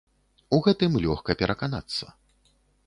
У гэтым лёгка пераканацца.